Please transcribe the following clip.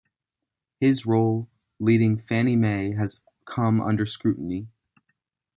His role leading Fannie Mae has come under scrutiny.